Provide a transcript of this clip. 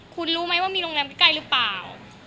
คุณรู้ไหมว่ามีโรงแรมใกล้หรือเปล่า